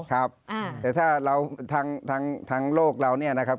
ครับแต่ถ้าเราทางโลกเราเนี่ยนะครับ